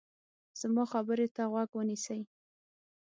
زما خبرې ته غوږ ونیسئ.